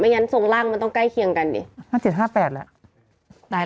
ไม่งั้นทรงล่างมันต้องใกล้เคียงกันดิ